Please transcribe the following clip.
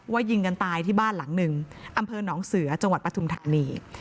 ยิงกันตายที่บ้านหลังหนึ่งอำเภอหนองเสือจังหวัดปฐุมธานี